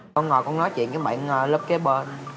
con ngồi con nói chuyện với bạn lớp kế bên